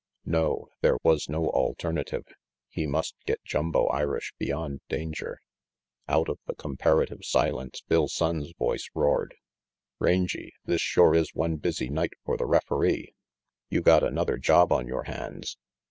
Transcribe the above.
No, there was no alternative. He must get Jumbo Irish beyond danger. Out of the comparative silence Bill Sonnes' voice roared. "Rangy, this shore is one busy night for the referee. You got another job on your hands.